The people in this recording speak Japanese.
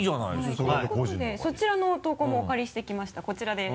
ということでそちらの投稿もお借りしてきましたこちらです。